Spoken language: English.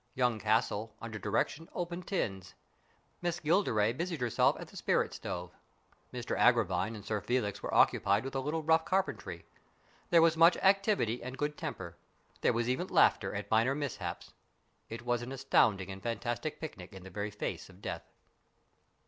Young Castle, under direction, opened tins. Miss Gilderay busied herself at the spirit stove. Mr Agravine and Sir Felix were occupied with a little rough carpentry. There was much activity and good temper. There was even laughter at minor mishaps. It was an astounding and fantastic picnic in the very face of death.